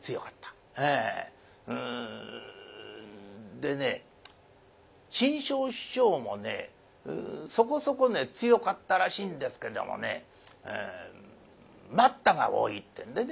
でね志ん生師匠もねそこそこ強かったらしいんですけどもね「待った」が多いってんでね。